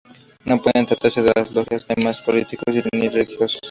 No pueden tratarse en las logias temas políticos ni religiosos.